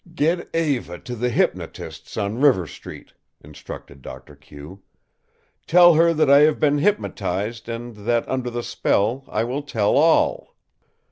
"Get Eva to the hypnotist's on River Street," instructed Doctor Q. "Tell her that I have been hypnotized and that under the spell I will tell all."